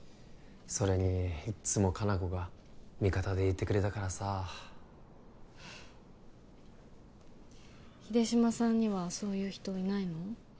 それにいっつも果奈子が味方でいてくれたからさ秀島さんにはそういう人いないの？